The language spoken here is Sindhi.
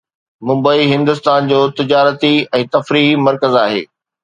ممبئي هندستان جو تجارتي ۽ تفريحي مرڪز آهي